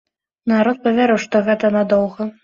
Народ паверыў, што гэта надоўга.